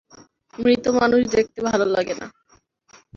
মৃত মানুষ দেখতে ভালো লাগে না।